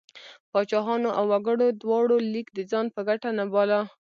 پاچاهانو او وګړو دواړو لیک د ځان په ګټه نه باله.